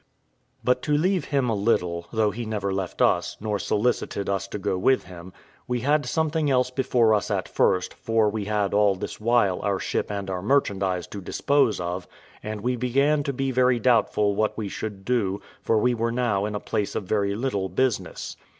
But to leave him a little, though he never left us, nor solicited us to go with him; we had something else before us at first, for we had all this while our ship and our merchandise to dispose of, and we began to be very doubtful what we should do, for we were now in a place of very little business.